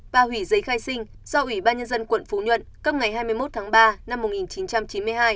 và hủy giấy khai sinh do ủy ban nhân dân quận phú nhuận cấp ngày hai mươi một tháng ba năm một nghìn chín trăm chín mươi hai